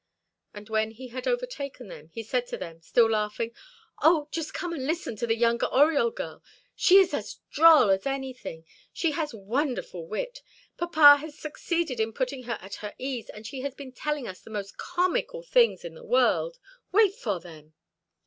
And when he had overtaken them, he said to them, still laughing: "Oh! just come and listen to the younger Oriol girl! She is as droll as anything she has wonderful wit. Papa has succeeded in putting her at her ease, and she has been telling us the most comical things in the world. Wait for them."